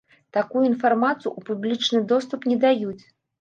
Такую інфармацыю ў публічны доступ не даюць.